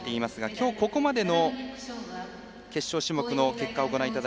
今日、ここまでの決勝種目の結果です。